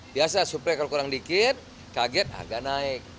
biasa suplai kalau kurang dikit kaget agak naik